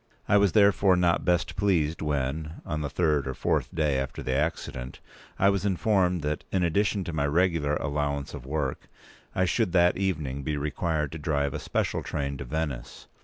I was therefore not best pleased when, on the third or fourth day after the accident, I was informed that, in addition to my regular allowance of work, I should that evening be required to drive a special train to Venice.